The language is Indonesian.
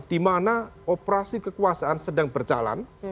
dimana operasi kekuasaan sedang berjalan